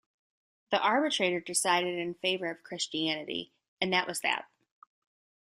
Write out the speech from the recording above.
The arbitrator decided in favor of Christianity, and that was that.